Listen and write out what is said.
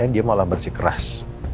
dia malah bersikeras